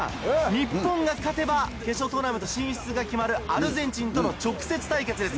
日本が勝てば、決勝トーナメント進出が決まる、アルゼンチンとの直接対決です。